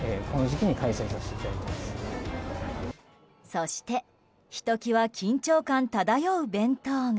そして、ひときわ緊張感漂う弁当が。